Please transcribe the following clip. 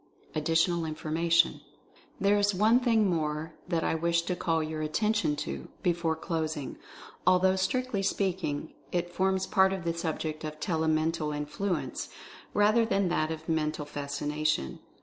ADDITIONAL INFORMATION. There is one thing more that I wish to call your attention to, before closing, although, strictly speak ing, it forms part of the subject of Telemental Influ ence rather than that of Mental Fascination.